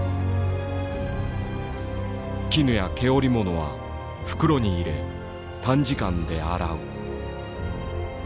「絹や毛織物は袋に入れ短時間で洗う」。